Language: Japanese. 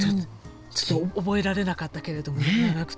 ちょっと覚えられなかったけれども長くて。